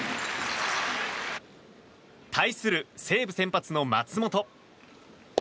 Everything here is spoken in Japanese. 対する、西武先発の松本。